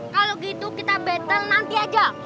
kalau gitu kita battle nanti aja